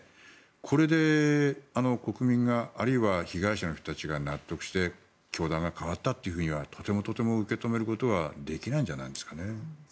これで国民があるいは被害者の人たちが納得して教団が変わったとはとてもとても受け止めることはできないんじゃないですかね。